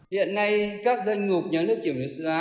hiện nay các doanh nghiệp nhắn được kiểm soát giá